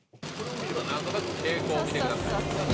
何となく傾向を見てください。